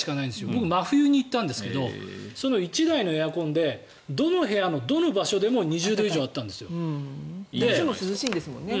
僕、真冬に行ったんですけどその１台のエアコンでどの部屋のどの場所でもいつも涼しいんですよね。